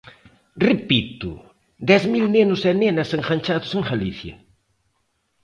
Repito: dez mil nenos e nenas enganchados en Galicia.